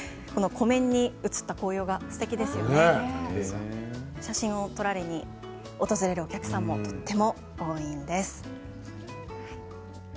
湖面に映った紅葉も写真を撮りに訪れるお客さんもとても多いんです。